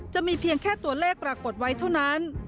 จะมีเพียงแค่ตัวเลขปรากฏไว้เท่านั้น